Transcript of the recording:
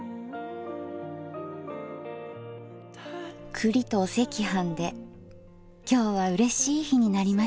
栗とお赤飯で今日はうれしい日になりました。